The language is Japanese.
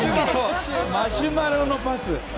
マシュマロのパス。